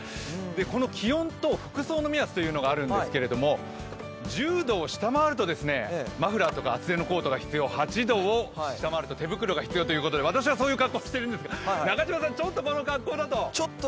この気温と服装の目安というのがあるんですけど１０度を下回るとマフラーとか厚手のコートが必要、８度を下回ると手袋が必要ということで私はそういう格好をしているんですが中島さん、ちょっとこの格好だと。